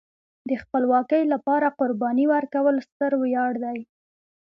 د خپلواکۍ لپاره قرباني ورکول ستر ویاړ دی.